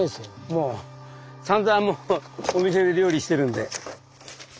もうさんざんお店で料理してるんで。